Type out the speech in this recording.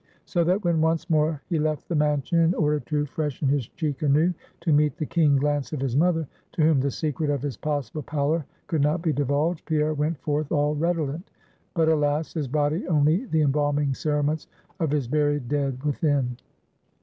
So that when once more he left the mansion in order to freshen his cheek anew to meet the keen glance of his mother to whom the secret of his possible pallor could not be divulged; Pierre went forth all redolent; but alas! his body only the embalming cerements of his buried dead within.